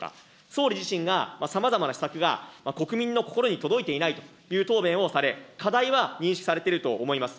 総理自身が、施策が国民の心に届いていないという答弁をされ、課題は認識されていると思います。